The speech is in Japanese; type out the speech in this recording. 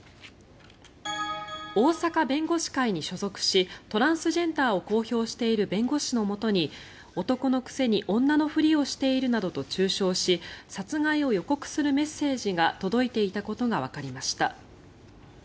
大阪弁護士会に所属しトランスジェンダーを公表している弁護士のもとに男のくせに女のふりをしているなどと中傷し殺害を予告するメッセージが届いていたことがわかりました。